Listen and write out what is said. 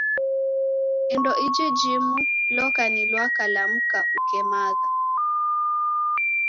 Indo iji jimu loka ni lwaka lwa mka ukemagha.